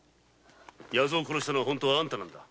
弥蔵を殺したのは本当はあんたなんだ。